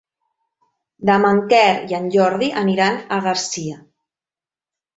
Demà en Quer i en Jordi aniran a Garcia.